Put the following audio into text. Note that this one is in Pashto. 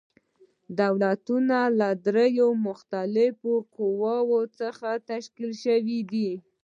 دولت له دریو مختلفو قواوو څخه تشکیل شوی دی.